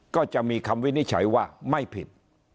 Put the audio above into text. ก็จะมีคำวินิจฉัยว่าไม่ผิด